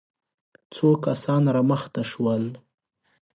څو کسان را مخته شول.